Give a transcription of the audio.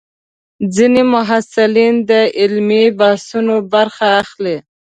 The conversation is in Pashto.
ځینې محصلین د علمي بحثونو برخه اخلي.